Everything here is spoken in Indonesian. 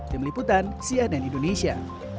demi liputan cnn indonesia